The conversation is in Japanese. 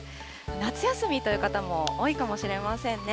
夏休みという方も多いかもしれませんね。